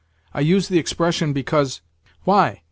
I use the expression because—" "Why?